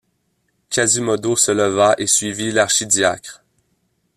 Quasimodo se leva et suivit l’archidiacre.